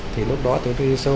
thì lúc đó tôi đi sâu